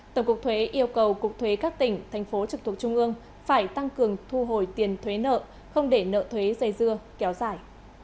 tổng cục thuế yêu cầu cục thuế các tỉnh thành phố trực thuộc trung ương phải tăng cường thu hồi tiền thuế nợ không để nợ thuế dây dưa kéo dài